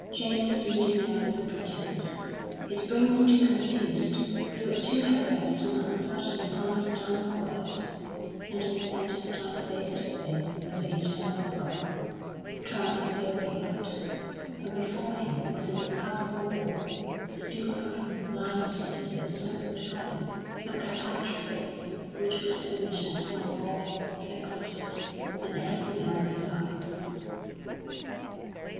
Jamie's reading now was a pretence; his brain was too confused, he was too harassed and uncertain to understand a word; and he spent his time face to face with the eternal problem, trying to see a way out, when before him was an impassable wall, still hoping blindly that something would happen, some catastrophe which should finish at once all his perplexities, and everything else besides.